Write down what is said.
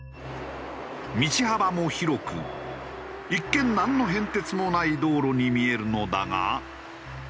道幅も広く一見なんの変哲もない道路に見えるのだが。